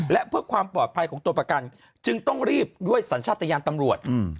และเพื่อความปลอดภัยของตัวประกันจึงต้องรีบด้วยสัญชาติยานตำรวจ